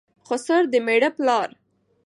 خسر دمېړه پلار